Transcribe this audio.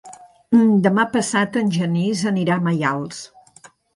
Demà passat en Genís anirà a Maials.